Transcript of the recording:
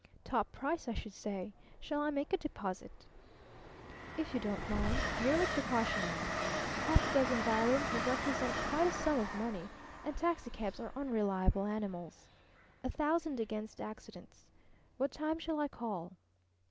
"Top price, I should say. Shall I make a deposit?" "If you don't mind. Merely precautionary. Half a dozen violins will represent quite a sum of money; and taxicabs are unreliable animals. A thousand against accidents. What time shall I call?"